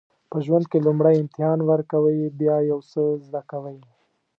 په ژوند کې لومړی امتحان ورکوئ بیا یو څه زده کوئ.